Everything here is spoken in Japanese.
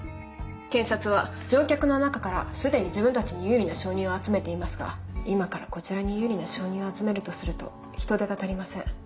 検察は乗客の中から既に自分たちに有利な証人を集めていますが今からこちらに有利な証人を集めるとすると人手が足りません。